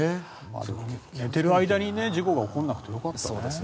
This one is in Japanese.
寝ている間に事故が起こらなくてよかったですね。